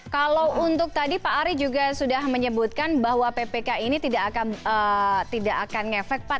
kalau untuk tadi pak ari juga sudah menyebutkan bahwa ppk ini tidak akan ngefek pak